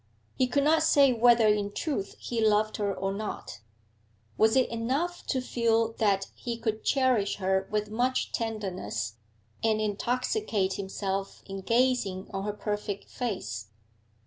He could not say whether in truth he loved her or not; was it enough to feel that he could cherish her with much tenderness, and intoxicate himself in gazing on her perfect face?